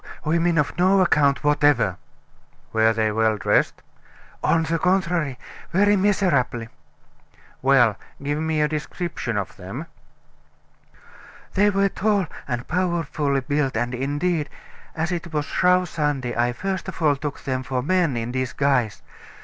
women of no account whatever!" "Were they well dressed?" "On the contrary, very miserably." "Well, give me a description of them." "They were tall and powerfully built, and indeed, as it was Shrove Sunday, I first of all took them for men in disguise.